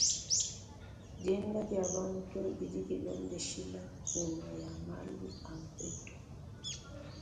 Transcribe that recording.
Dienda dia bantu didi dilondeshila mpunga ya malu a mpetu.